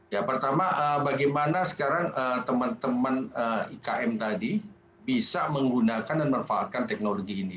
ya pertama bagaimana sekarang teman teman ikm tadi bisa menggunakan dan manfaatkan teknologi ini